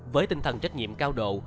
với tinh thần trách nhiệm cao độ